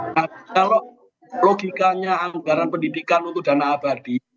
nah kalau logikanya anggaran pendidikan untuk dana abadi